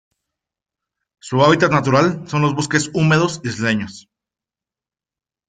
Su hábitat natural son los bosques húmedos isleños.